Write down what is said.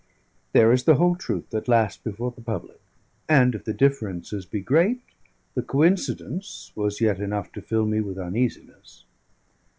There is the whole truth at last before the public; and if the differences be great, the coincidence was yet enough to fill me with uneasiness.